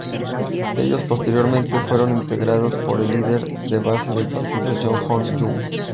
Ellos posteriormente fueron integrados por el líder de base del partido, Joo Ho-young.